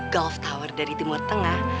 gulf tower dari timur tengah